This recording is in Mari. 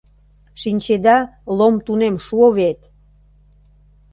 Шинчеда, Лом тунем шуо вет.